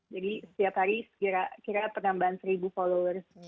jadi setiap hari kira kira penambahan seribu followers